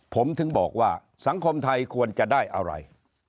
ผมถึงบอกว่าสังคมไทยควรจะได้อะไร